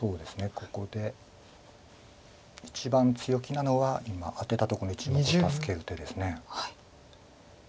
ここで一番強気なのは今アテたとこの１目を助ける手です。